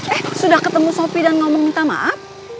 eh sudah ketemu sopi dan ngomong minta maaf